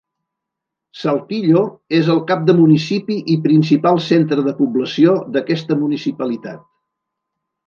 Saltillo és el cap de municipi i principal centre de població d'aquesta municipalitat.